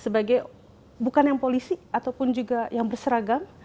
bukan yang polisi ataupun yang berseragam